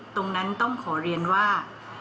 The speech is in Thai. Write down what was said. ตรงนั้นต้องขอเรียนว่า